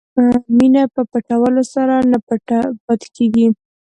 مینه په پټولو سره نه پټه پاتې کېږي.